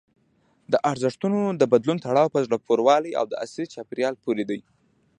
د ارزښتونو د بدلون تړاو په زړه پورې والي او عصري چاپېریال پورې دی.